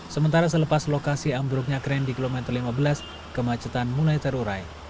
sementara selepas lokasi ambruknya kren di kilometer lima belas kemacetan mulai terurai